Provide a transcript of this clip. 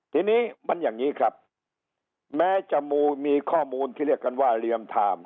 ทีนี้มันอย่างนี้ครับแม้จะมีข้อมูลที่เรียกกันว่าเรียมไทม์